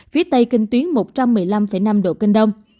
phía tây kinh tuyến một trăm một mươi năm năm độ kinh đông